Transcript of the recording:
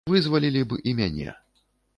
Вызвалілі б і мяне.